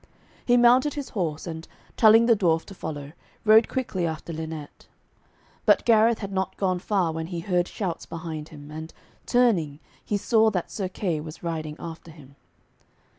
He mounted his horse, and, telling the dwarf to follow, rode quickly after Lynette. But Gareth had not gone far, when he heard shouts behind him, and, turning, he saw that Sir Kay was riding after him.